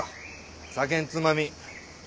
酒んつまみ。